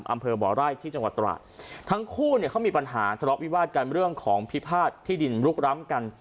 อำเภอบ่อไรที่จังหวัดตราทั้งคู่เขามีปัญหาสำหรับวิบาลการเรื่องของพิพาทที่ดินลุกล้ำกัน